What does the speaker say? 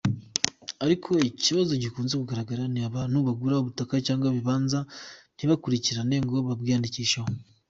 Ariko ikibazo gikunze kugaragara ni abantu bagura ubutaka cyangwa ibibanza ntibakurikirane ngo babwiyandikisheho.